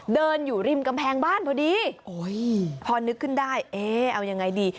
เดินอยู่ริมกำแพงบ้านพอดีพอนึกขึ้นได้เอ๊เอายังไงดี